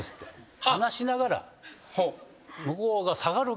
話しながら。